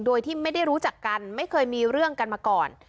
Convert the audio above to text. โดยที่ไม่ได้รู้จักกันไม่เคยมีเรื่องกันมาก่อน